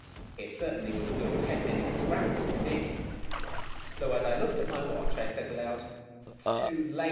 It certainly was a good ten minutes' scramble for me. So, as I looked at my watch, I said aloud : "Too late!